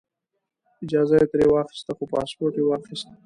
اجازه یې ترې واخیسته خو پاسپورټ یې واخیست.